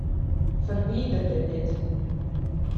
Ferwiderje dit.